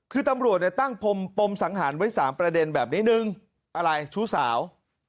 คือตำรวจตั้งปมสังหารไว้๓ประเด็นแบบนี้๑อะไรชู้สาว